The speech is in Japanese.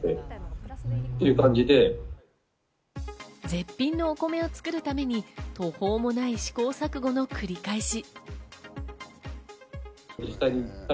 絶品の米を作るために途方もない試行錯誤の繰り返し。